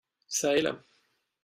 Çà et là